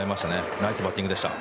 ナイスバッティングでした。